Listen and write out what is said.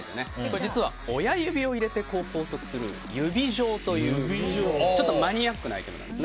実は、親指を入れて拘束する指錠というマニアックなアイテムなんです。